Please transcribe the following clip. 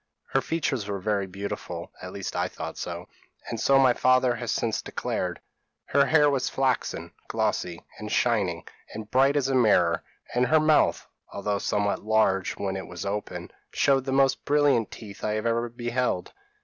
Her features were very beautiful, at least I thought so, and so my father has since declared. Her hair was flaxen, glossy, and shining, and bright as a mirror; and her mouth, although somewhat large when it was open, showed the most brilliant teeth I have ever beheld.